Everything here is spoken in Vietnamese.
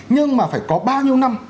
nhưng mà phải có bao nhiêu năm